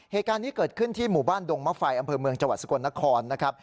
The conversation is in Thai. เหตุการณ์นี้เกิดขึ้นที่หมู่บ้านดงมะไฟอำเภอเมืองจังหวัดสกลนครนะครับ